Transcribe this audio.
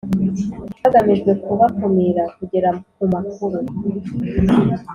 hagamijwe kubakumira kugera ku makuru